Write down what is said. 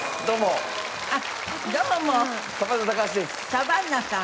「サバンナさん」。